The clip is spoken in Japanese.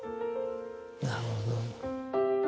なるほど。